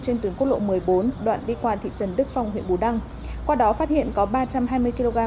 trên tuyến quốc lộ một mươi bốn đoạn đi qua thị trấn đức phong huyện bù đăng qua đó phát hiện có ba trăm hai mươi kg